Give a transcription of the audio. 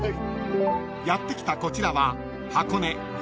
［やって来たこちらは］